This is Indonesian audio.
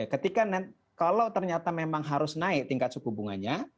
ketika kalau ternyata memang harus naik tingkat suku bunganya